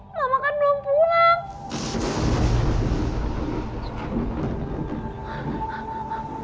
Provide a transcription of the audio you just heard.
mama kan belum pulang